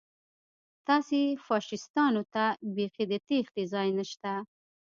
تاسې فاشیستانو ته بیخي د تېښتې ځای نشته